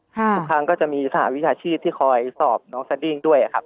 ทุกครั้งก็จะมีสหวิชาชีพที่คอยสอบน้องสดิ้งด้วยครับ